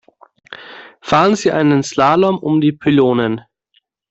Fahren Sie einen Slalom um die Pylonen.